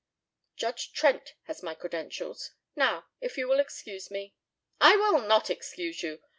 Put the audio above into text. "Judge Trent has my credentials. Now, if you will excuse me " "I will not excuse you.